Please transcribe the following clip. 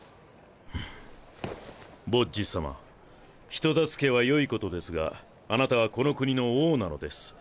ボッジ様人助けは良いことですがあなたはこの国の王なのです。